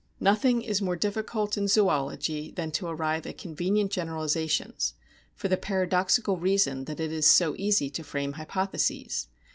Nothing is more difficult in zoology than to arrive at convenient generalisations for the paradoxical reason that it is so easy to frame hypotheses.